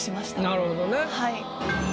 なるほどね。